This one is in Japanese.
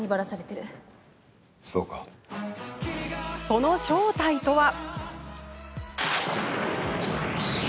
その正体とは。